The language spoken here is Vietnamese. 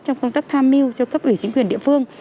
trong công tác tham mưu cho cấp ủy chính quyền địa phương